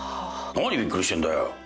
何びっくりしてんだよ。